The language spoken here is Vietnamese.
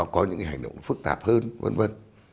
có những cái hành động phức tạp hơn vân vân